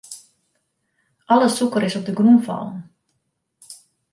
Alle sûker is op de grûn fallen.